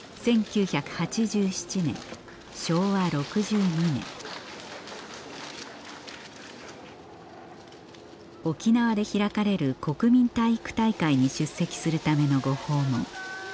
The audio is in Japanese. １９８７年昭和６２年沖縄で開かれる国民体育大会に出席するためのご訪問